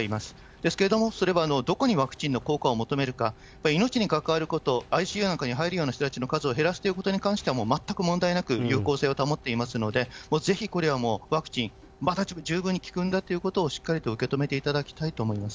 ですけれども、それはどこにワクチンの効果を求めるか、命に関わること、ＩＣＵなんかに入るような人たちの数を減らすということに関しては、全く問題なく有効性を保っていますので、ぜひ、これはもう、ワクチン、十分に効くんだということをしっかりと受け止めていただきたいと思います。